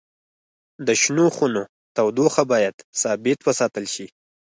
د شنو خونو تودوخه باید ثابت وساتل شي.